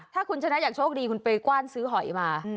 ถ้าคุณชนะอยากโชคดีคุณไปกว้านซื้อหอยมา